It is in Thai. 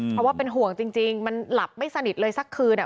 เพราะว่าเป็นห่วงจริงมันหลับไม่สนิทเลยสักคืนอ่ะ